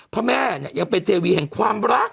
พระแม่ยังเป็นเธออยู่แห่งความรัก